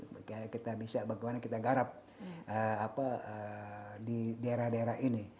bagaimana kita garap di daerah daerah ini